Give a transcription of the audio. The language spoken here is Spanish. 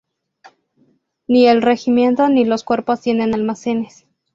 Ni el regimiento ni los cuerpos tienen almacenes.